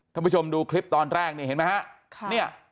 ผู้ชมดูคลิปตอนแรกนี่เห็นไหมฮะ